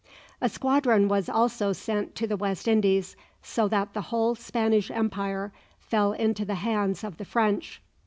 A squadron was also sent to the West Indies, so that the whole Spanish Empire fell into the hands of the French.